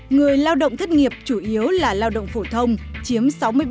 người lao động thất nghiệp chủ yếu là lao động phổ thông chiếm sáu mươi ba